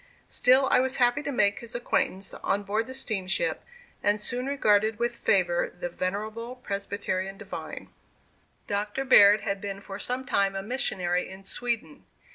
Still I was happy to make his acquaintance on board the steamship, and soon regarded with favor the venerable Presbyterian divine. Dr. Baird had been for some time a missionary in Sweden.